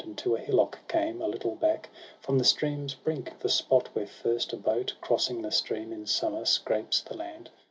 And to a hillock came, a little back From the stream's brink, the spot where first a boat, Crossing the stream in summer, scrapes the land.